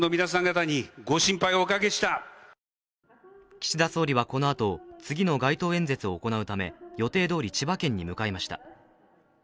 岸田総理はこのあと、次の街頭演説を行うため予定どおり千葉県に向かいました。